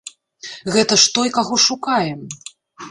Гэта ж той, каго шукаем.